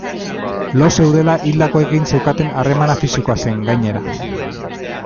Lo zeudela hildakoekin zeukaten harremana fisikoa zen, gainera.